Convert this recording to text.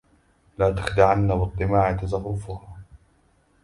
لا تخدعن بأطماع تزخرفها